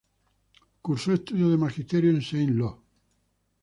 Cursó estudios de magisterio en Saint-Lô.